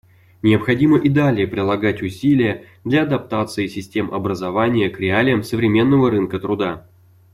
Необходимо и далее прилагать усилия для адаптации систем образования к реалиям современного рынка труда.